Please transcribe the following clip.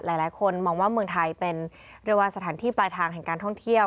หลายคนมองว่าเมืองไทยเป็นเรียกว่าสถานที่ปลายทางแห่งการท่องเที่ยว